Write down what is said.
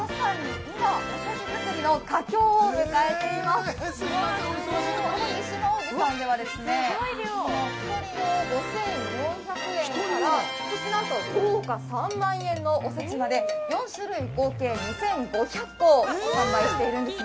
この、ゆしま扇さんではですね１人用５４００円から豪華３万円のおせちまで４種類、合計２５００個を販売しているんですね。